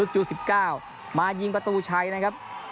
จู๑๙มายิงประตูชัยนะครับ